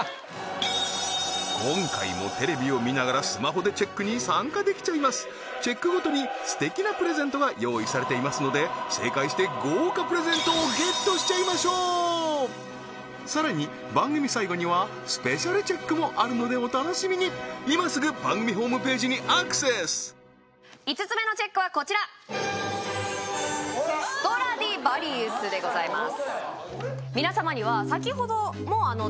今回もテレビを見ながらスマホでチェックに参加できちゃいますチェックごとにすてきなプレゼントが用意されていますので正解して豪華プレゼントをゲットしちゃいましょうさらに番組さいごにはスペシャルチェックもあるのでお楽しみにいますぐ番組ホームページにアクセス５つ目のＣＨＥＣＫはこちらストラディヴァリウスでございます